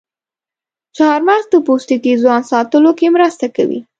چارمغز د پوستکي ځوان ساتلو کې مرسته کوي.